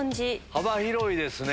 幅広いですね！